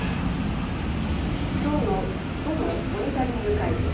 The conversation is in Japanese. きょうの都のモニタリング会議。